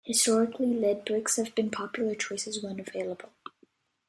Historically, lead bricks have been popular choices when available.